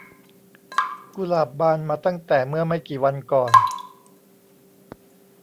กุหลาบบานมาตั้งแต่เมื่อไม่กี่วันก่อน